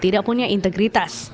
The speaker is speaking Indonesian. tidak punya integritas